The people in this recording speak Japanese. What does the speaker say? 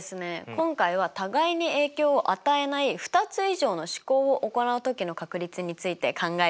今回はたがいに影響を与えない２つ以上の試行を行う時の確率について考えてみましょう。